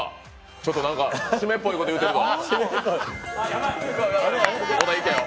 ちょっと湿っぽいこと言ってんぞ。